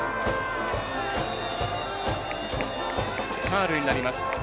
ファウルになります。